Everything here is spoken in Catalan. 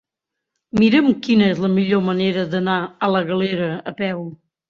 Mira'm quina és la millor manera d'anar a la Galera a peu.